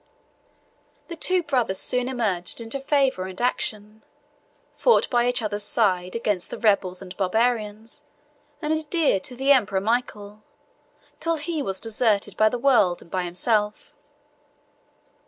The two brothers soon emerged into favor and action, fought by each other's side against the rebels and Barbarians, and adhered to the emperor Michael, till he was deserted by the world and by himself.